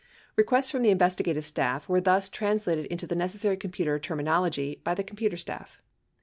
Requests from the investigative staff were thus translated into the necessary computer terminology by the com puter staff.